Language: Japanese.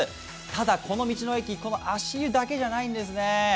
ただ、この道の駅、足湯だけじゃないんですね。